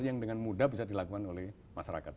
yang dengan mudah bisa dilakukan oleh masyarakat